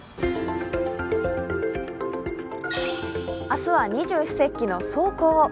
明日は二十四節気の霜降。